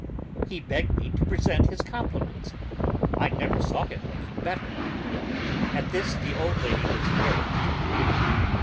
He begged me to present his compliments. I never saw him looking better.' At this, the old lady was very much delighted.